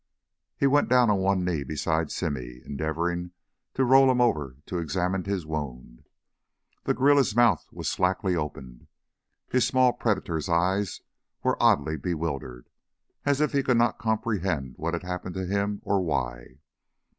He went down on one knee beside Simmy, endeavoring to roll him over to examine his wound. The guerrilla's mouth was slackly open, his small, predator's eyes were oddly bewildered, as if he could not comprehend what had happened to him or why.